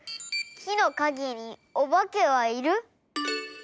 きのかげにおばけはいる？